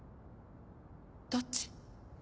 どっち？